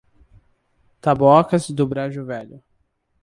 Tabocas do Brejo Velho